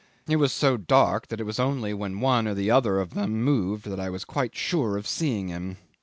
It was so dark that it was only when one or the other of them moved that I was quite sure of seeing him.